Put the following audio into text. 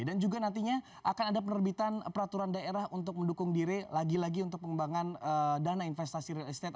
juga nantinya akan ada penerbitan peraturan daerah untuk mendukung diri lagi lagi untuk pengembangan dana investasi real estate